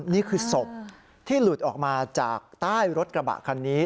นี่คือศพที่หลุดออกมาจากใต้รถกระบะคันนี้